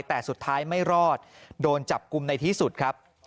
แต่สุดท้ายไม่รอดโดนจับกลุ่มในที่สุดครับ